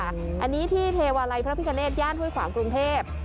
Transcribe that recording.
อันนี้ที่เทวาลัยพระพิกาเนตย่านห้วยขวางกรุงเทพ